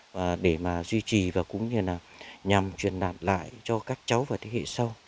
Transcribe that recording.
và để mà duy trì và cũng như là nhằm truyền đạt lại cho các cháu và thế hệ sau